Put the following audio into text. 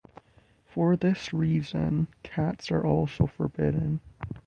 For this reason cats are also forbidden.